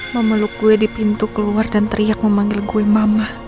memeluk kue di pintu keluar dan teriak memanggil kue mama